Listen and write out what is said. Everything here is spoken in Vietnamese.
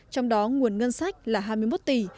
trong đó nguồn ngân sách là hai mươi một tỷ